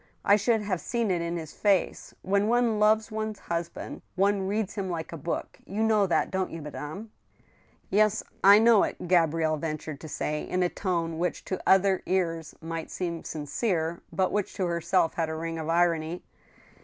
I should have seen it in his face. ... When one loves one's husband one reads him like a book. You know that, don't you, madame ?"•* Yes, I know it," Gabrielle ventured to say, in a tone which to other ears might seem sincere, but which to herself had a ring of irony.